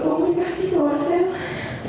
kalau saya tidak mencari orang lain